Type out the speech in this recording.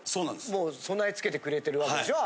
もう備え付けてくれてるわけでしょ？